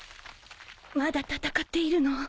まだ戦っているの？